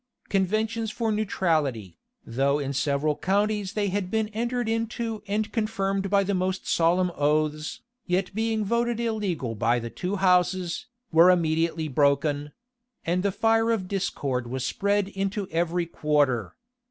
Conventions for neutrality, though in several counties they had been entered into and confirmed by the most solemn oaths, yet being voted illegal by the two houses, were immediately broken;[*] and the fire of discord was spread into every quarter.